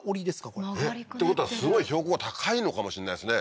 これえっ？ってことはすごい標高が高いのかもしんないですね